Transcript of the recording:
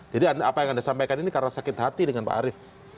jadi apa yang anda sampaikan ini karena sakit hati dengan pak arief